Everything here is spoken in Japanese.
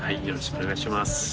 よろしくお願いします。